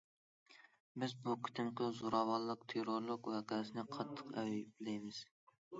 بىز بۇ قېتىمقى زوراۋانلىق، تېررورلۇق ۋەقەسىنى قاتتىق ئەيىبلەيمىز.